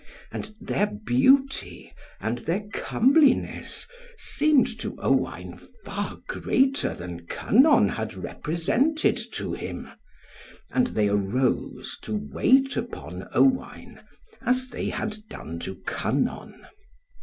And their beauty, and their comeliness seemed to Owain far greater than Kynon had represented to him. And they arose to wait upon Owain, as they had done to Kynon.